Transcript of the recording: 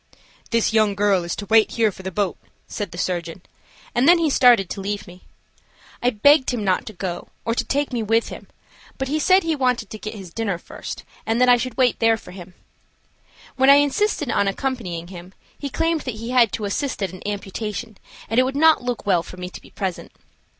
"This young girl is to wait here for the boat," said the surgeon, and then he started to leave me. I begged him not to go, or to take me with him, but he said he wanted to get his dinner first, and that I should wait there for him. When I insisted on accompanying him he claimed that he had to assist at an amputation, and it would not look well for me to be present.